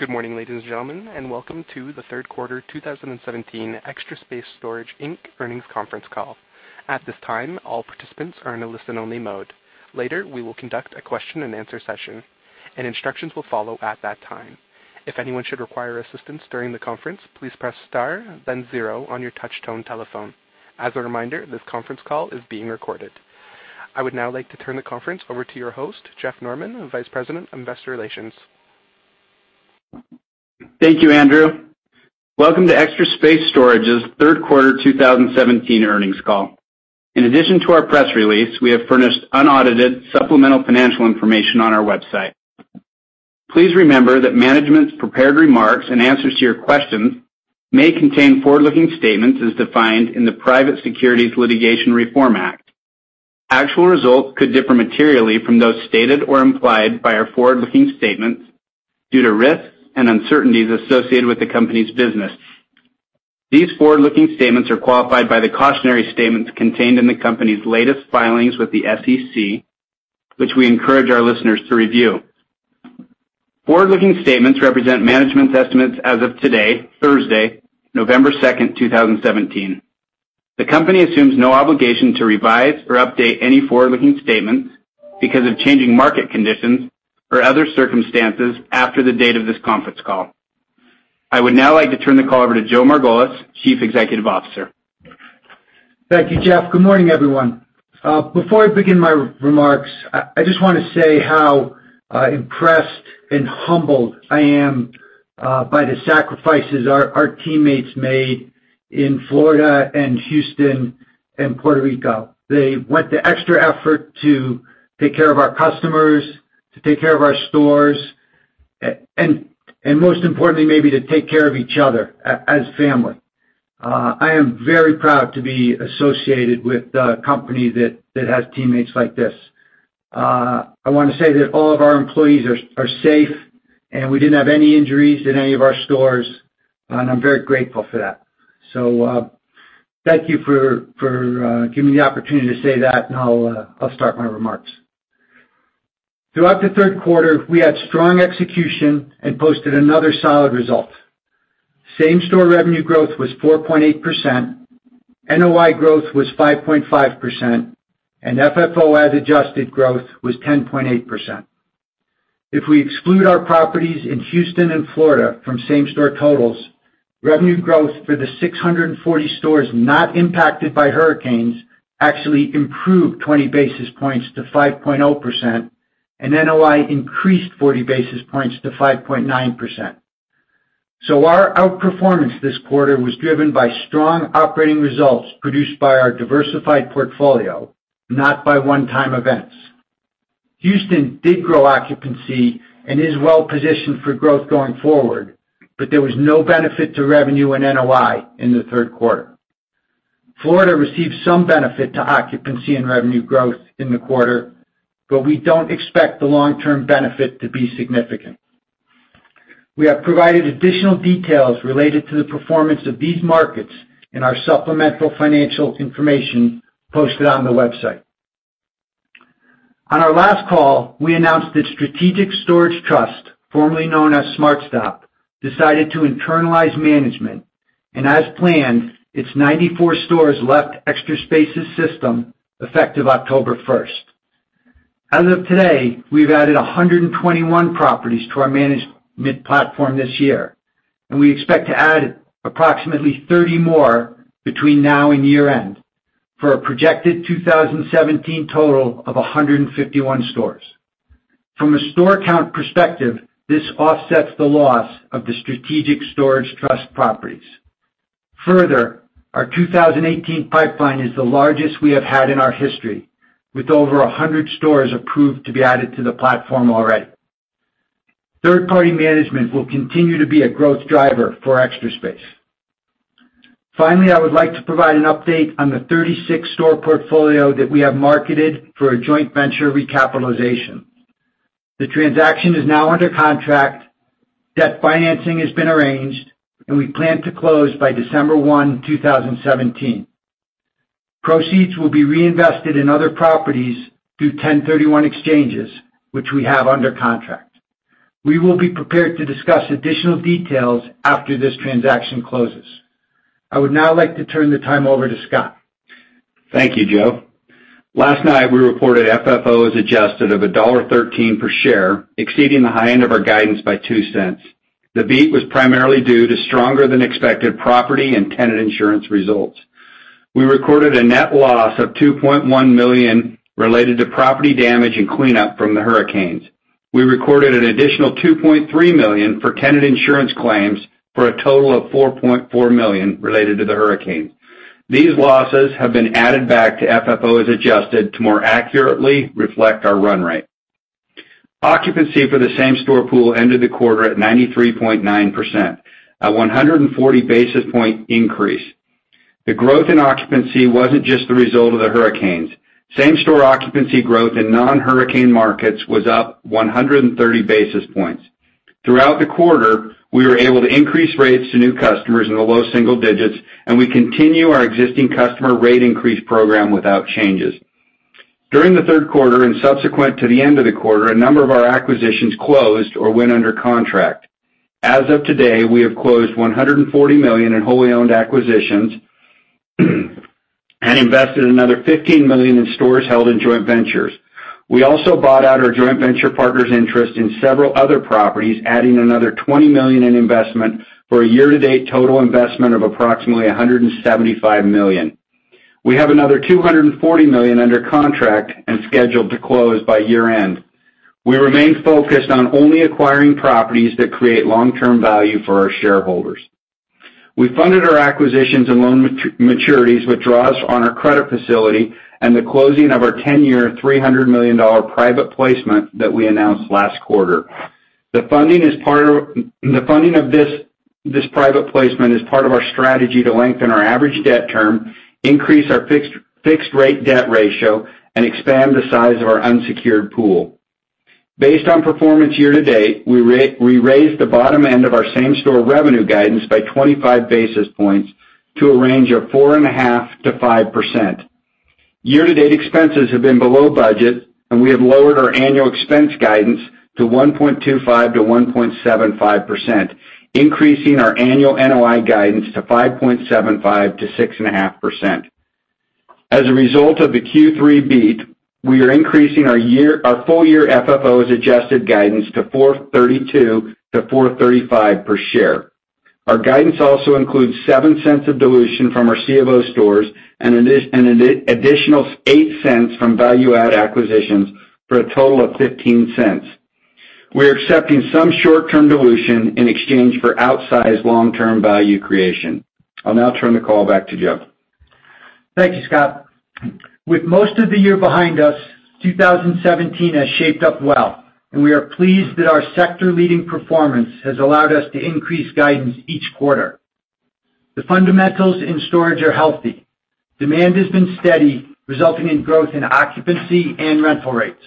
Good morning, ladies and gentlemen, and welcome to the third quarter 2017 Extra Space Storage Inc. earnings conference call. At this time, all participants are in a listen-only mode. Later, we will conduct a question and answer session, and instructions will follow at that time. If anyone should require assistance during the conference, please press star then zero on your touch tone telephone. As a reminder, this conference call is being recorded. I would now like to turn the conference over to your host, Jeff Norman, Vice President, Investor Relations. Thank you, Andrew. Welcome to Extra Space Storage's third quarter 2017 earnings call. In addition to our press release, we have furnished unaudited supplemental financial information on our website. Please remember that management's prepared remarks and answers to your questions may contain forward-looking statements as defined in the Private Securities Litigation Reform Act. Actual results could differ materially from those stated or implied by our forward-looking statements due to risks and uncertainties associated with the company's business. These forward-looking statements are qualified by the cautionary statements contained in the company's latest filings with the SEC, which we encourage our listeners to review. Forward-looking statements represent management's estimates as of today, Thursday, November second, 2017. The company assumes no obligation to revise or update any forward-looking statements because of changing market conditions or other circumstances after the date of this conference call. I would now like to turn the call over to Joe Margolis, Chief Executive Officer. Thank you, Jeff. Good morning, everyone. Before I begin my remarks, I just want to say how impressed and humbled I am by the sacrifices our teammates made in Florida and Houston and Puerto Rico. They went the extra effort to take care of our customers, to take care of our stores, and most importantly, maybe to take care of each other as family. I am very proud to be associated with a company that has teammates like this. I want to say that all of our employees are safe, and we didn't have any injuries in any of our stores, and I'm very grateful for that. Thank you for giving me the opportunity to say that, and I'll start my remarks. Throughout the third quarter, we had strong execution and posted another solid result. Same-store revenue growth was 4.8%, NOI growth was 5.5%, and FFO as adjusted growth was 10.8%. If we exclude our properties in Houston and Florida from same-store totals, revenue growth for the 640 stores not impacted by hurricanes actually improved 20 basis points to 5.0%, and NOI increased 40 basis points to 5.9%. Our outperformance this quarter was driven by strong operating results produced by our diversified portfolio, not by one-time events. Houston did grow occupancy and is well-positioned for growth going forward, but there was no benefit to revenue and NOI in the third quarter. Florida received some benefit to occupancy and revenue growth in the quarter, but we don't expect the long-term benefit to be significant. We have provided additional details related to the performance of these markets in our supplemental financial information posted on the website. On our last call, we announced that Strategic Storage Trust, formerly known as SmartStop, decided to internalize management. As planned, its 94 stores left Extra Space's system effective October first. As of today, we've added 121 properties to our management platform this year, and we expect to add approximately 30 more between now and year-end, for a projected 2017 total of 151 stores. From a store count perspective, this offsets the loss of the Strategic Storage Trust properties. Further, our 2018 pipeline is the largest we have had in our history, with over 100 stores approved to be added to the platform already. Third-party management will continue to be a growth driver for Extra Space. Finally, I would like to provide an update on the 36-store portfolio that we have marketed for a joint venture recapitalization. The transaction is now under contract, debt financing has been arranged, and we plan to close by December one, 2017. Proceeds will be reinvested in other properties through 1031 exchanges, which we have under contract. We will be prepared to discuss additional details after this transaction closes. I would now like to turn the time over to Scott. Thank you, Joe. Last night, we reported FFO as adjusted of $1.13 per share, exceeding the high end of our guidance by $0.02. The beat was primarily due to stronger than expected property and tenant insurance results. We recorded a net loss of $2.1 million related to property damage and cleanup from the hurricanes. We recorded an additional $2.3 million for tenant insurance claims for a total of $4.4 million related to the hurricane. These losses have been added back to FFO as adjusted to more accurately reflect our run rate. Occupancy for the same-store pool ended the quarter at 93.9%, a 140-basis point increase. The growth in occupancy wasn't just the result of the hurricanes. Same-store occupancy growth in non-hurricane markets was up 130 basis points. Throughout the quarter, we were able to increase rates to new customers in the low single digits. We continue our existing customer rate increase program without changes. During the third quarter and subsequent to the end of the quarter, a number of our acquisitions closed or went under contract. As of today, we have closed $140 million in wholly owned acquisitions and invested another $15 million in stores held in joint ventures. We also bought out our joint venture partner's interest in several other properties, adding another $20 million in investment for a year-to-date total investment of approximately $175 million. We have another $240 million under contract and scheduled to close by year-end. We remain focused on only acquiring properties that create long-term value for our shareholders. We funded our acquisitions and loan maturities with draws on our credit facility and the closing of our 10-year, $300 million private placement that we announced last quarter. The funding of this private placement is part of our strategy to lengthen our average debt term, increase our fixed rate debt ratio and expand the size of our unsecured pool. Based on performance year-to-date, we raised the bottom end of our same-store revenue guidance by 25 basis points to a range of 4.5%-5%. Year-to-date expenses have been below budget. We have lowered our annual expense guidance to 1.25%-1.75%, increasing our annual NOI guidance to 5.75%-6.5%. As a result of the Q3 beat, we are increasing our full-year FFO adjusted guidance to $4.32-$4.35 per share. Our guidance also includes $0.07 of dilution from our C of O stores and an additional $0.08 from value-add acquisitions for a total of $0.15. We're accepting some short-term dilution in exchange for outsized long-term value creation. I'll now turn the call back to Joe. Thank you, Scott. With most of the year behind us, 2017 has shaped up well. We are pleased that our sector-leading performance has allowed us to increase guidance each quarter. The fundamentals in storage are healthy. Demand has been steady, resulting in growth in occupancy and rental rates.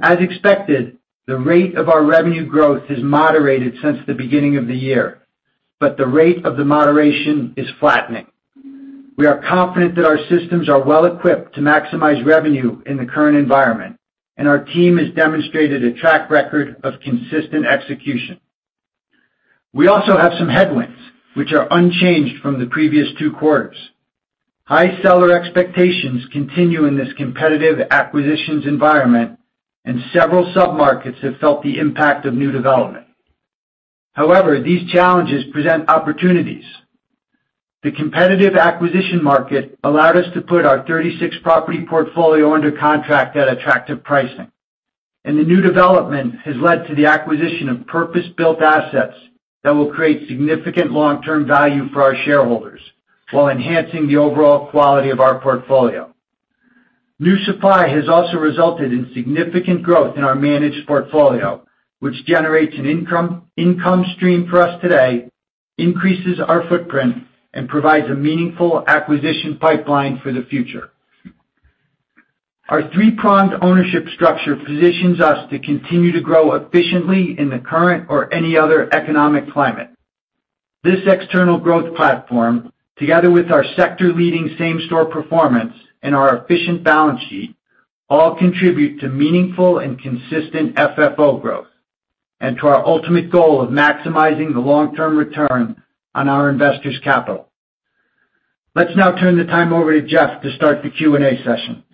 As expected, the rate of our revenue growth has moderated since the beginning of the year, but the rate of the moderation is flattening. We are confident that our systems are well-equipped to maximize revenue in the current environment. Our team has demonstrated a track record of consistent execution. We also have some headwinds, which are unchanged from the previous two quarters. High seller expectations continue in this competitive acquisitions environment, and several submarkets have felt the impact of new development. However, these challenges present opportunities. The competitive acquisition market allowed us to put our 36-property portfolio under contract at attractive pricing. The new development has led to the acquisition of purpose-built assets that will create significant long-term value for our shareholders while enhancing the overall quality of our portfolio. New supply has also resulted in significant growth in our managed portfolio, which generates an income stream for us today, increases our footprint, and provides a meaningful acquisition pipeline for the future. Our three-pronged ownership structure positions us to continue to grow efficiently in the current or any other economic climate. This external growth platform, together with our sector-leading same-store performance and our efficient balance sheet, all contribute to meaningful and consistent FFO growth and to our ultimate goal of maximizing the long-term return on our investors' capital. Let's now turn the time over to Jeff to start the Q&A session.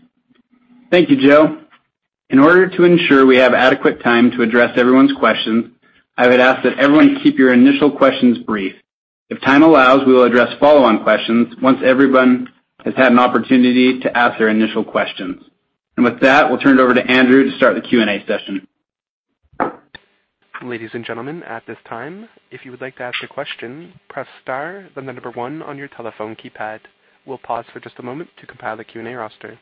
Thank you, Joe. In order to ensure we have adequate time to address everyone's questions, I would ask that everyone keep your initial questions brief. If time allows, we will address follow-on questions once everyone has had an opportunity to ask their initial questions. With that, we'll turn it over to Andrew to start the Q&A session. Ladies and gentlemen, at this time, if you would like to ask a question, press star then the number one on your telephone keypad. We'll pause for just a moment to compile the Q&A roster.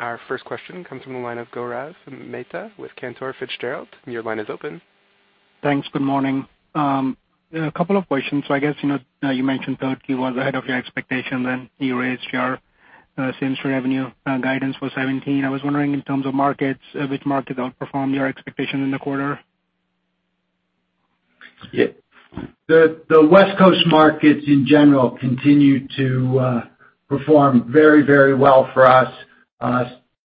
Our first question comes from the line of Gaurav Mehta with Cantor Fitzgerald. Your line is open. Thanks. Good morning. A couple of questions. I guess, you mentioned third Q was ahead of your expectations, and you raised your same-store revenue guidance for 2017. I was wondering in terms of markets, which market outperformed your expectation in the quarter? The West Coast markets in general continue to perform very well for us.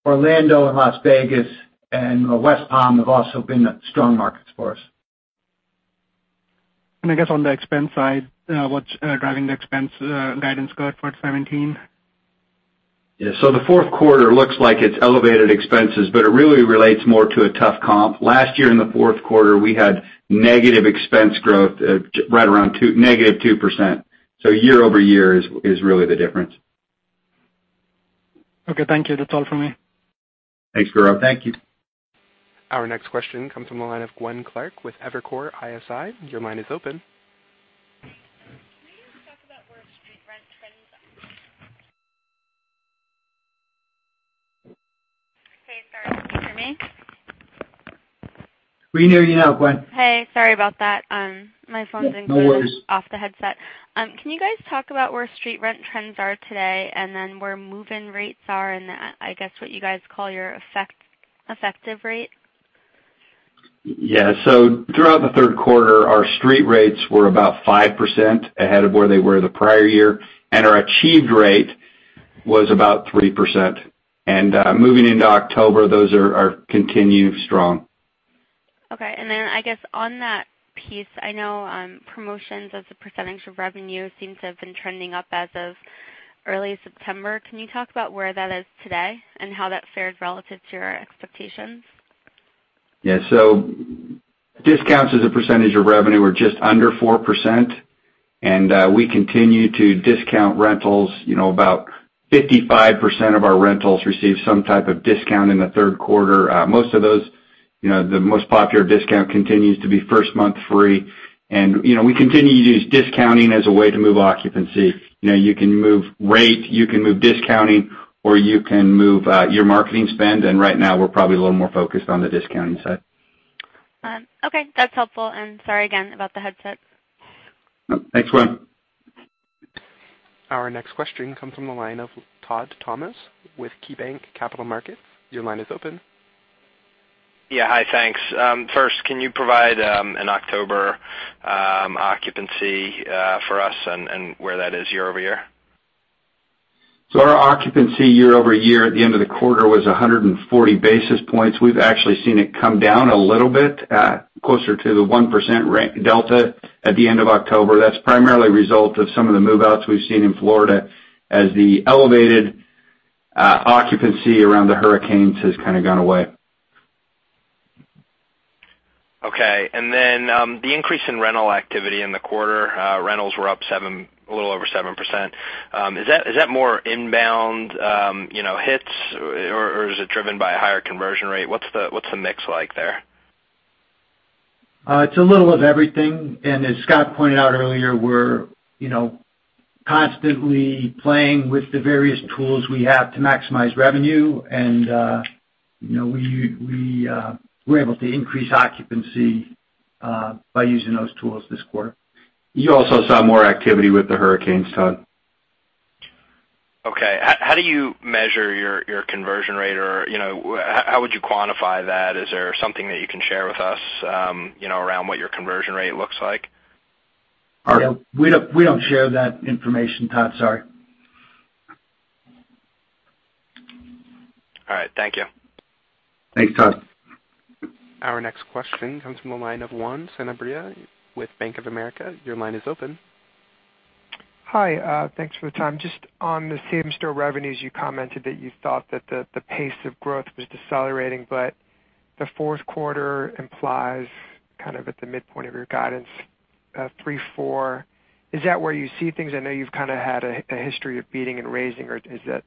Orlando and Las Vegas and West Palm have also been strong markets for us. I guess on the expense side, what's driving the expense guidance guide for 2017? Yeah. The fourth quarter looks like it's elevated expenses, but it really relates more to a tough comp. Last year in the fourth quarter, we had negative expense growth right around negative 2%. Year-over-year is really the difference. Okay, thank you. That's all for me. Thanks, Gaurav. Thank you. Our next question comes from the line of Gwynne Clark with Evercore ISI. Your line is open. Can you guys talk about where street rent trends are- Hey, sorry. Can you hear me? We can hear you now, Gwynne. Hey, sorry about that. My phone's. No worries. off the headset. Can you guys talk about where street rent trends are today and then where move-in rates are and I guess what you guys call your effective rate? Yeah. Throughout the third quarter, our street rates were about 5% ahead of where they were the prior year, and our achieved rate was about 3%. Moving into October, those are continued strong. Okay. I guess on that piece, I know promotions as a percentage of revenue seems to have been trending up as of early September. Can you talk about where that is today and how that fared relative to your expectations? Yeah. Discounts as a percentage of revenue were just under 4%, and we continue to discount rentals. About 55% of our rentals received some type of discount in the third quarter. Most of those, the most popular discount continues to be first month free. We continue to use discounting as a way to move occupancy. You can move rate, you can move discounting, or you can move your marketing spend, and right now, we're probably a little more focused on the discounting side. Okay, that's helpful, and sorry again about the headset. No, thanks, Gwynne. Our next question comes from the line of Todd Thomas with KeyBanc Capital Markets. Your line is open. Yeah. Hi, thanks. First, can you provide an October occupancy for us and where that is year-over-year? Our occupancy year-over-year at the end of the quarter was 140 basis points. We've actually seen it come down a little bit, closer to the 1% delta at the end of October. That's primarily a result of some of the move-outs we've seen in Florida as the elevated occupancy around the hurricanes has kind of gone away. Okay. The increase in rental activity in the quarter, rentals were up a little over 7%. Is that more inbound hits, or is it driven by a higher conversion rate? What's the mix like there? It's a little of everything, as Scott pointed out earlier, we're constantly playing with the various tools we have to maximize revenue, and we're able to increase occupancy by using those tools this quarter. You also saw more activity with the hurricanes, Todd. Okay. How do you measure your conversion rate, or how would you quantify that? Is there something that you can share with us around what your conversion rate looks like? We don't share that information, Todd, sorry. All right. Thank you. Thanks, Todd. Our next question comes from the line of Juan Sanabria with Bank of America. Your line is open. Hi. Thanks for the time. On the same-store revenues, you commented that you thought that the pace of growth was decelerating, the fourth quarter implies kind of at the midpoint of your guidance of 3%-4%. Is that where you see things? I know you've kind of had a history of beating and raising, or is there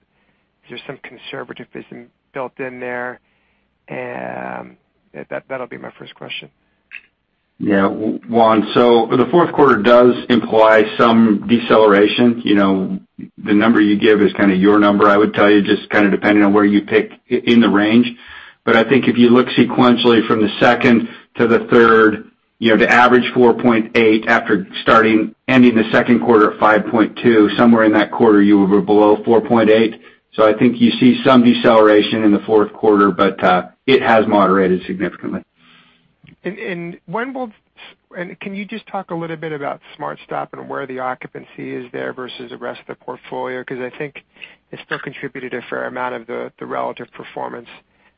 some conservatism built in there? That'll be my first question. Yeah, Juan. The fourth quarter does imply some deceleration. The number you give is kind of your number, I would tell you, just kind of depending on where you pick in the range. I think if you look sequentially from the 2nd to the 3rd, the average 4.8%, after ending the 2nd quarter at 5.2%, somewhere in that quarter you were below 4.8%. I think you see some deceleration in the fourth quarter, but it has moderated significantly. Can you just talk a little bit about SmartStop and where the occupancy is there versus the rest of the portfolio? Because I think it still contributed a fair amount of the relative performance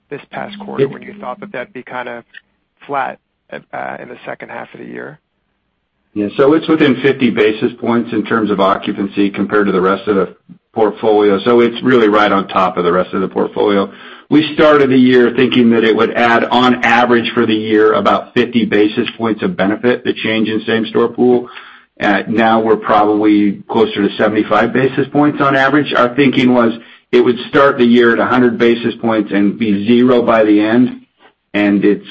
this past quarter, when you thought that that'd be kind of flat in the second half of the year. Yeah. It's within 50 basis points in terms of occupancy compared to the rest of the portfolio. It's really right on top of the rest of the portfolio. We started the year thinking that it would add, on average for the year, about 50 basis points of benefit, the change in same-store pool. Now we're probably closer to 75 basis points on average. Our thinking was it would start the year at 100 basis points and be 0 by the end, and it's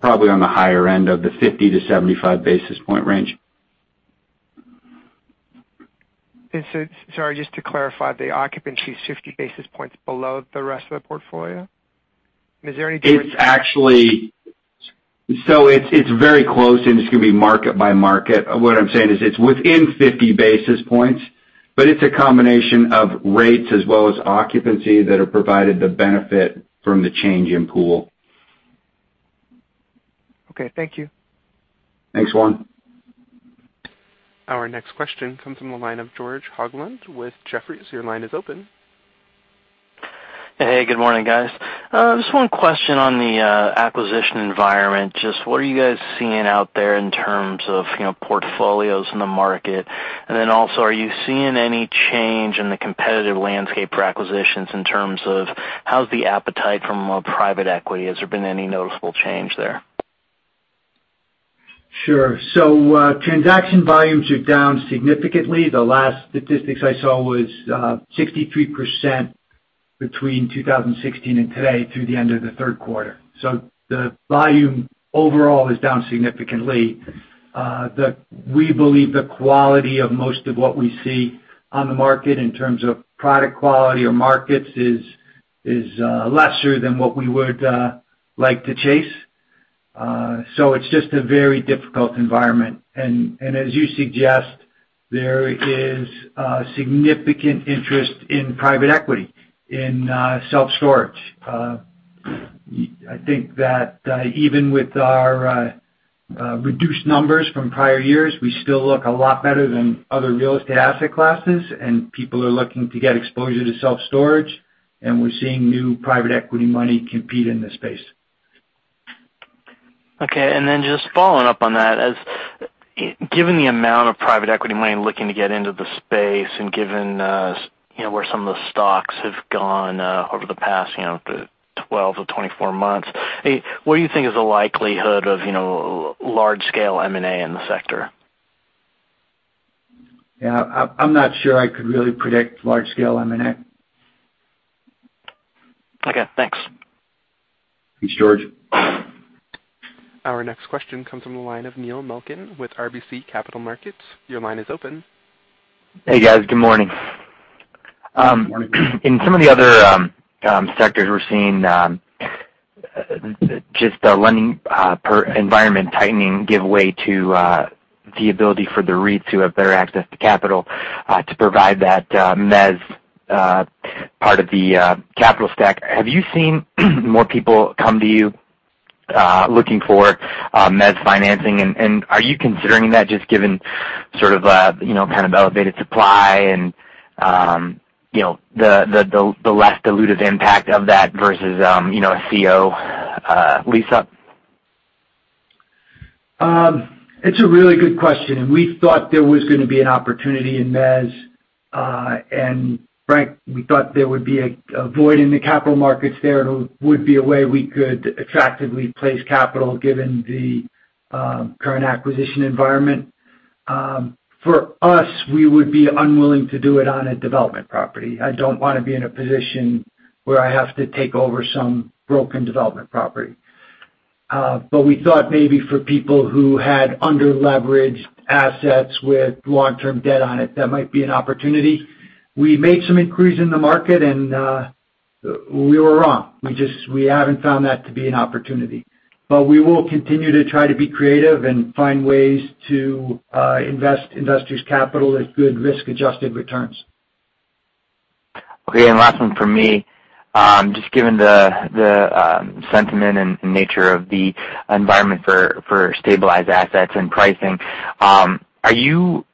probably on the higher end of the 50-75 basis point range. Sorry, just to clarify, the occupancy is 50 basis points below the rest of the portfolio? Is there any- It's actually very close, and it's going to be market by market. What I'm saying is it's within 50 basis points, but it's a combination of rates as well as occupancy that have provided the benefit from the change in pool. Okay. Thank you. Thanks, Juan. Our next question comes from the line of George Hoglund with Jefferies. Your line is open. Hey, good morning, guys. Just one question on the acquisition environment. Just what are you guys seeing out there in terms of portfolios in the market? Also, are you seeing any change in the competitive landscape for acquisitions in terms of how's the appetite from a private equity? Has there been any noticeable change there? Sure. Transaction volumes are down significantly. The last statistics I saw was 63% between 2016 and today through the end of the third quarter. The volume overall is down significantly. We believe the quality of most of what we see on the market in terms of product quality or markets is lesser than what we would like to chase. It's just a very difficult environment, and as you suggest, there is a significant interest in private equity in self-storage. I think that even with our reduced numbers from prior years, we still look a lot better than other real estate asset classes, and people are looking to get exposure to self-storage, and we're seeing new private equity money compete in this space. Okay. Just following up on that, given the amount of private equity money looking to get into the space, and given where some of the stocks have gone over the past 12 to 24 months, what do you think is the likelihood of large-scale M&A in the sector? Yeah. I'm not sure I could really predict large scale M&A. Okay, thanks. Thanks, George. Our next question comes from the line of Neil Malkin with RBC Capital Markets. Your line is open. Hey, guys. Good morning. Good morning. In some of the other sectors, we're seeing just a lending environment tightening give way to the ability for the REITs who have better access to capital to provide that mezz part of the capital stack. Have you seen more people come to you looking for mezz financing, and are you considering that, just given kind of elevated supply and the less dilutive impact of that versus a C of O lease-up? It's a really good question. We thought there was going to be an opportunity in mezz. Frank, we thought there would be a void in the capital markets there, and would be a way we could attractively place capital given the current acquisition environment. For us, we would be unwilling to do it on a development property. I don't want to be in a position where I have to take over some broken development property. We thought maybe for people who had under-leveraged assets with long-term debt on it, that might be an opportunity. We made some inquiries in the market, and we were wrong. We haven't found that to be an opportunity. We will continue to try to be creative and find ways to invest investors' capital at good risk-adjusted returns. Okay. Last one from me. Just given the sentiment and nature of the environment for stabilized assets and pricing, are you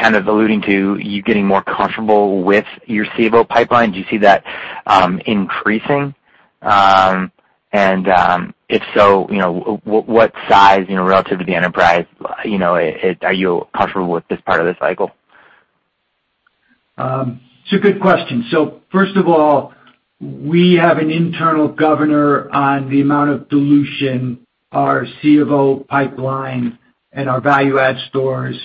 kind of alluding to you getting more comfortable with your C of O pipeline? Do you see that increasing? If so, what size, relative to the enterprise are you comfortable with this part of the cycle? It's a good question. First of all, we have an internal governor on the amount of dilution our C of O pipeline and our value-add stores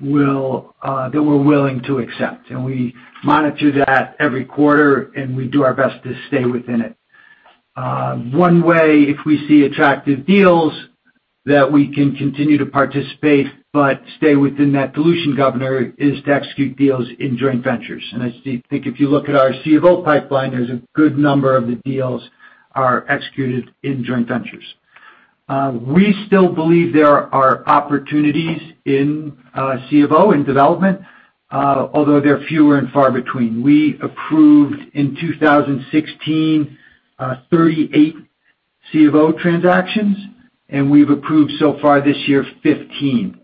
that we're willing to accept. We monitor that every quarter, and we do our best to stay within it. One way, if we see attractive deals that we can continue to participate but stay within that dilution governor, is to execute deals in joint ventures. I think if you look at our C of O pipeline, there's a good number of the deals are executed in joint ventures. We still believe there are opportunities in C of O, in development although they're fewer and far between. We approved, in 2016, 38 C of O transactions, and we've approved so far this year 15,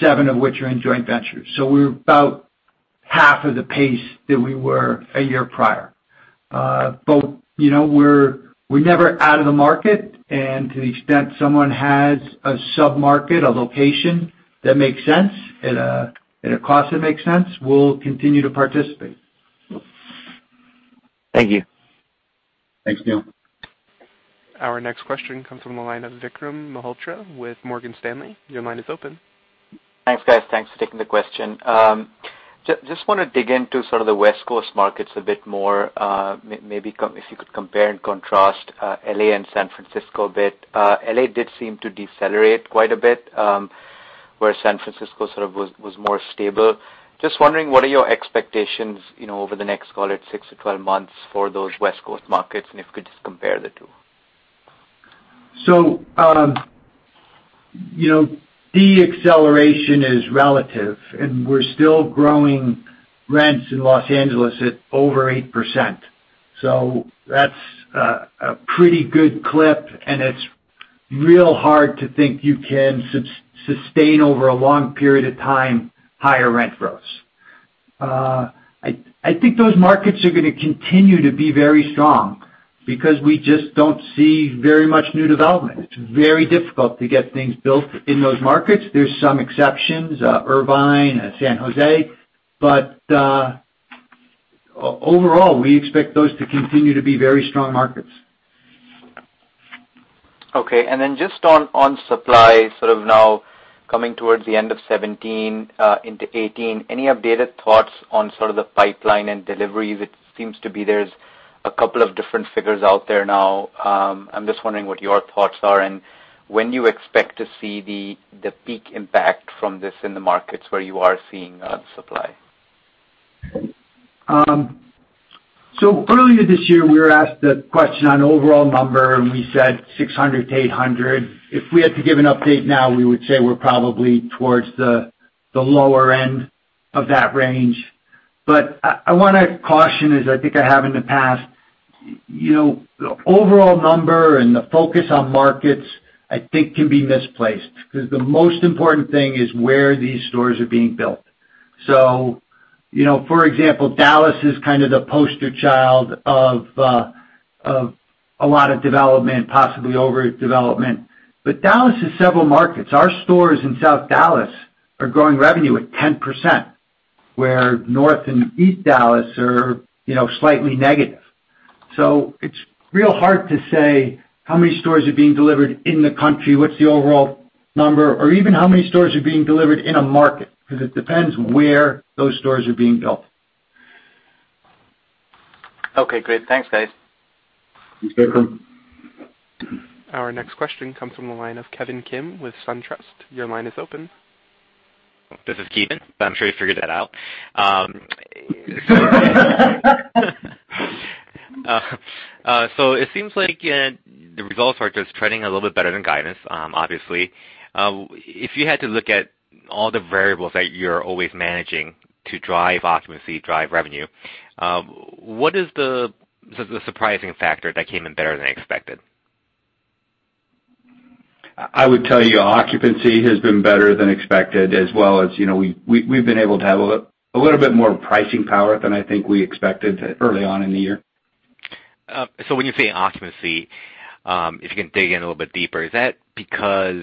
seven of which are in joint ventures. We're about half of the pace that we were a year prior. We're never out of the market, and to the extent someone has a sub-market, a location that makes sense at a cost that makes sense, we'll continue to participate. Thank you. Thanks, Neil. Our next question comes from the line of Vikram Malhotra with Morgan Stanley. Your line is open. Thanks, guys. Thanks for taking the question. Just want to dig into sort of the West Coast markets a bit more. Maybe if you could compare and contrast L.A. and San Francisco a bit. L.A. did seem to decelerate quite a bit, where San Francisco sort of was more stable. Just wondering, what are your expectations over the next, call it six to 12 months for those West Coast markets, and if you could just compare the two. De-acceleration is relative, and we're still growing rents in Los Angeles at over 8%. That's a pretty good clip, and it's real hard to think you can sustain, over a long period of time, higher rent growth. I think those markets are going to continue to be very strong because we just don't see very much new development. It's very difficult to get things built in those markets. There's some exceptions Irvine, San Jose. Overall, we expect those to continue to be very strong markets. Just on supply, sort of now coming towards the end of 2017 into 2018, any updated thoughts on sort of the pipeline and deliveries? It seems to be there's a couple of different figures out there now. I'm just wondering what your thoughts are, and when you expect to see the peak impact from this in the markets where you are seeing supply? Earlier this year, we were asked the question on overall number, and we said 600-800. If we had to give an update now, we would say we're probably towards the lower end of that range. I want to caution, as I think I have in the past, the overall number and the focus on markets, I think can be misplaced, because the most important thing is where these stores are being built. For example, Dallas is kind of the poster child of a lot of development, possibly overdevelopment. Dallas is several markets. Our stores in South Dallas are growing revenue at 10%, where North and East Dallas are slightly negative. It's real hard to say how many stores are being delivered in the country, what's the overall number, or even how many stores are being delivered in a market, because it depends where those stores are being built. Great. Thanks, guys. Thanks, Vikram. Our next question comes from the line of Ki Bin Kim with SunTrust. Your line is open. This is Kevin, but I'm sure you figured that out. It seems like the results are just trending a little bit better than guidance, obviously. If you had to look at all the variables that you're always managing to drive occupancy, drive revenue, what is the surprising factor that came in better than expected? I would tell you occupancy has been better than expected, as well as we've been able to have a little bit more pricing power than I think we expected early on in the year. When you say occupancy, if you can dig in a little bit deeper, is that because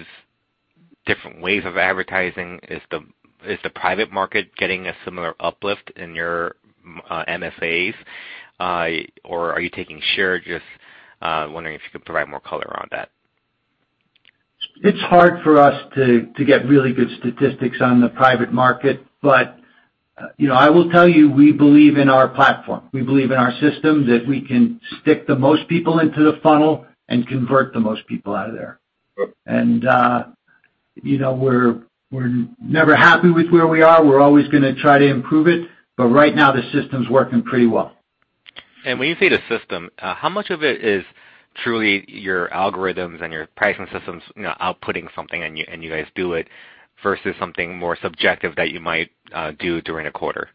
different ways of advertising, is the private market getting a similar uplift in your MFA? Are you taking share? Just wondering if you could provide more color on that. It's hard for us to get really good statistics on the private market. I will tell you, we believe in our platform. We believe in our system, that we can stick the most people into the funnel and convert the most people out of there. We're never happy with where we are. We're always gonna try to improve it, but right now the system's working pretty well. When you say the system, how much of it is truly your algorithms and your pricing systems outputting something and you guys do it, versus something more subjective that you might do during a quarter?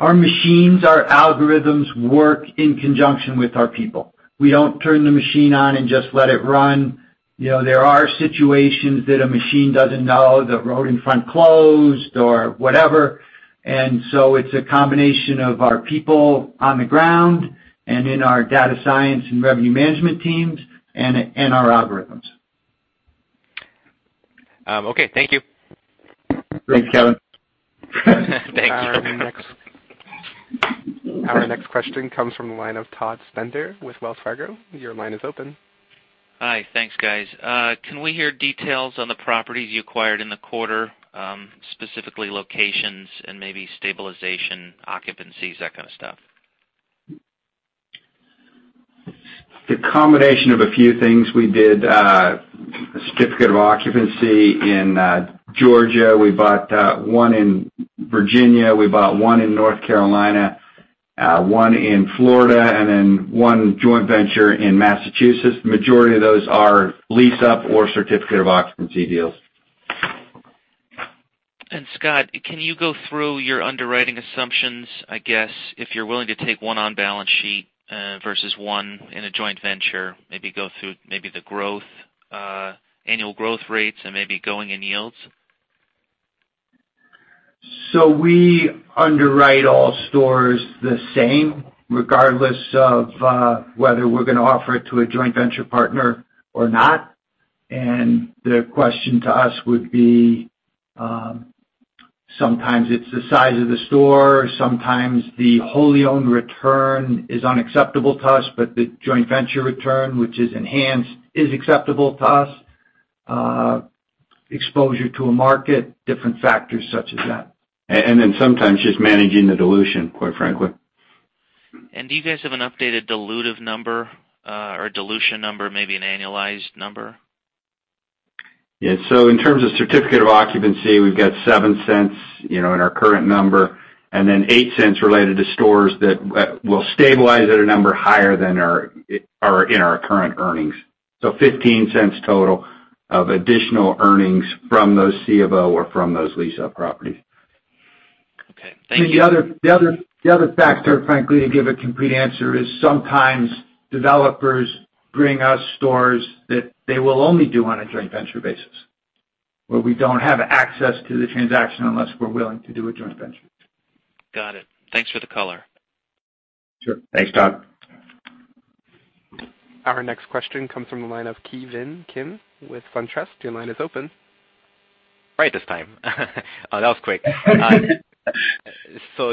Our machines, our algorithms work in conjunction with our people. We don't turn the machine on and just let it run. There are situations that a machine doesn't know the road in front closed or whatever. It's a combination of our people on the ground and in our data science and revenue management teams and our algorithms. Okay, thank you. Thanks, Ki Bin. Thank you. Our next question comes from the line of Todd Stender with Wells Fargo. Your line is open. Hi. Thanks, guys. Can we hear details on the properties you acquired in the quarter, specifically locations and maybe stabilization, occupancies, that kind of stuff? The combination of a few things. We did a Certificate of Occupancy in Georgia, we bought one in Virginia, we bought one in North Carolina, one in Florida, and then one joint venture in Massachusetts. The majority of those are lease up or Certificate of Occupancy deals. Scott, can you go through your underwriting assumptions, I guess, if you're willing to take one on balance sheet versus one in a joint venture, maybe go through maybe the annual growth rates and maybe going-in yields? We underwrite all stores the same, regardless of whether we're gonna offer it to a joint venture partner or not. The question to us would be, sometimes it's the size of the store, sometimes the wholly owned return is unacceptable to us, but the joint venture return, which is enhanced, is acceptable to us. Exposure to a market, different factors such as that. Then sometimes just managing the dilution, quite frankly. Do you guys have an updated dilutive number, or dilution number, maybe an annualized number? In terms of Certificate of Occupancy, we've got $0.07 in our current number, and then $0.08 related to stores that will stabilize at a number higher than in our current earnings. $0.15 total of additional earnings from those Certificate of Occupancy or from those lease-up properties. Okay. Thank you. The other factor, frankly, to give a complete answer, is sometimes developers bring us stores that they will only do on a joint venture basis, where we don't have access to the transaction unless we're willing to do a joint venture. Got it. Thanks for the color. Sure. Thanks, Todd. Our next question comes from the line of Ki Bin Kim with SunTrust. Your line is open. Right this time. Oh, that was quick.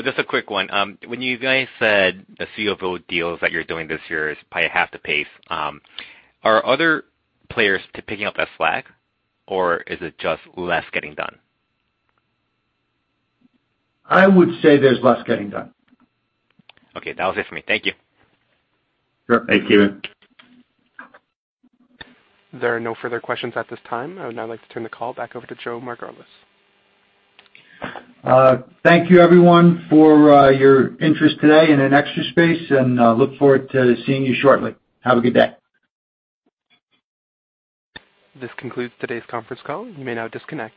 Just a quick one. When you guys said the Certificate of Occupancy deals that you're doing this year is probably half the pace, are other players picking up that slack, or is it just less getting done? I would say there's less getting done. Okay. That was it for me. Thank you. Sure. Thank you. There are no further questions at this time. I would now like to turn the call back over to Joe Margolis. Thank you everyone for your interest today in Extra Space, look forward to seeing you shortly. Have a good day. This concludes today's conference call. You may now disconnect.